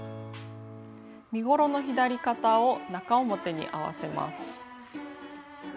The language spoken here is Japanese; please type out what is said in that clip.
身ごろの左肩を中表に合わせます。